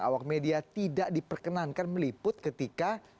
awak media tidak diperkenankan meliput ketika